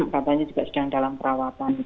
katanya juga sedang dalam perawatan